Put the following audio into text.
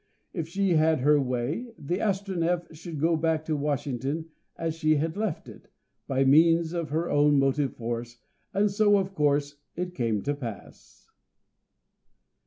If she had her way the Astronef should go back to Washington as she had left it, by means of her own motive force, and so, of course, it came to pass.